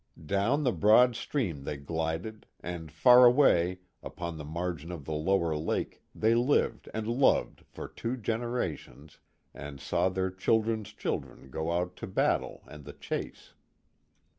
Down the broad stream they glided, and far away, upon the margin of the lower lake they lived and loved for two generations, and saw their children's children go out to battle and the chase.